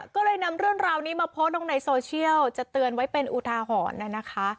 ก็เลยนำเรื่องราวนี้มาโพสต์ลงในโซเชียลจะเตือนไว้เป็นอุทาหรณ์นะคะ